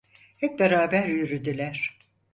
Hep beraber yürüdüler.